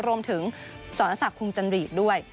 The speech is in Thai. รวมถึงสรศักดิ์คงจันรีดด้วย